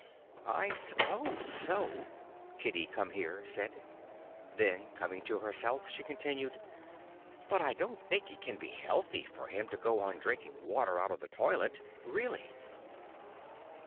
"I suppose so," Kitty Come Here said. Then coming to herself, she continued, "But I don't think it can be healthy for him to go on drinking water out of the toilet. Really."